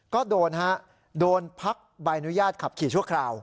ก็โดนฮะโดนพักใบอนุญาตขับขี่ชั่วคราว